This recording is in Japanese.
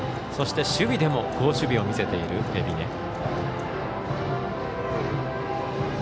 そして守備でも好守備を見せている海老根。